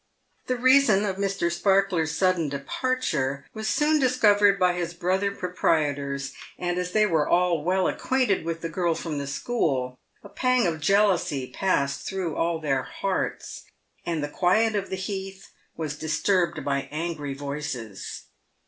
The reason of Mr. Sparkler's sudden departure was soon discovered by his brother proprietors, and as they were all well acquainted with the girl from the school, a pang of jealousy passed through all their hearts, and the quiet of the heath was disturbed by angry voices.